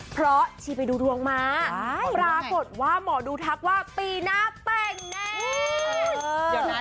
เพราะชีไปดูดวงมาปรากฏว่าหมอดูทักว่าปีหน้าแต่งแน่